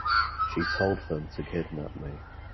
She told them to kidnap me.